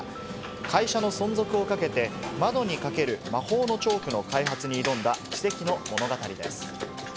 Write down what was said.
会社の存続をかけて、窓に描ける魔法のチョークの開発に挑んだ奇跡の物語です。